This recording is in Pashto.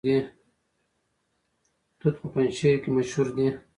توت په پنجشیر کې مشهور دي